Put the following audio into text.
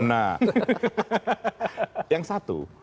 nah yang satu